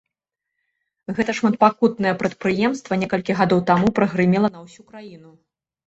Гэта шматпакутнае прадпрыемства некалькі гадоў таму прагрымела на ўсю краіну.